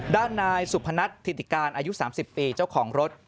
ด้านนายสุพนัทธิติการอายุ๓๐ปีเจ้าของรถ